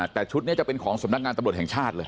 แต่ชุดนี้จะเป็นของสำนักงานตำรวจแห่งชาติเลย